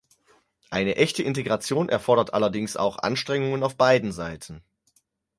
Eine echte Integration erfordert allerdings auch Anstrengungen auf beiden Seiten.